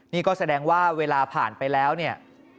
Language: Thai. นี่ก็แสดงว่าเวลาผ่านไปแล้วเนี่ย